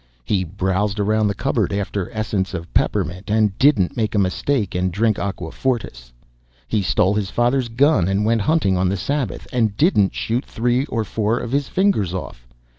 He browsed around the cupboard after essence of peppermint, and didn't make a mistake and drink aqua fortis. He stole his father's gun and went hunting on the Sabbath, and didn't shoot three or four of his fingers off.